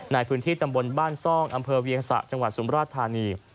ในพื้นที่ตำบลบ้านซ่องอำเภอเวียงสะจังหวัดสุมราชธานี